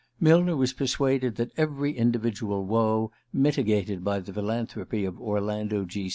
Millner was persuaded that every individual woe mitigated by the philanthropy of Orlando G.